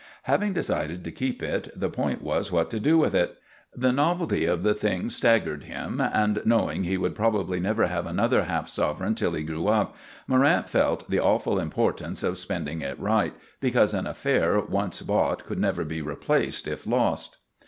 Having decided to keep it, the point was what to do with it. The novelty of the thing staggered him, and, knowing he would probably never have another half sovereign till he grew up, Morrant felt the awful importance of spending it right, because an affair once bought could never be replaced if lost.